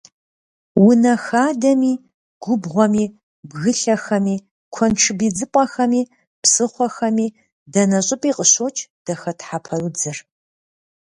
Унэ хадэми, губгъуэми, бгылъэхэми, куэншыб идзыпӏэхэми, псыхъуэхэми, дэнэ щӏыпӏи къыщокӏ дахэтхьэпэ удзыр.